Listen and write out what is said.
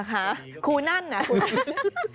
หรอคะคู่นั่นเหรอ